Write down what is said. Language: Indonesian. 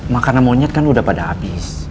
makanan monyet kan udah pada habis